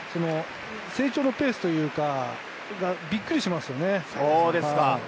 成長のペースというか、びっくりしますよね。